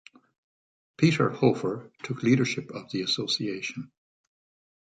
Peter Hofer took leadership of the Association.